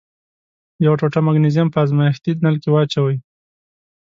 یوه ټوټه مګنیزیم په ازمیښتي نل کې واچوئ.